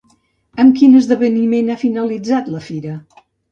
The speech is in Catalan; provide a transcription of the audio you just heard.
Amb quin esdeveniment ha finalitzat la Fira?